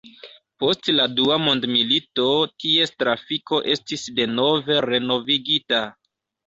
Post la dua mondmilito ties trafiko estis denove renovigita.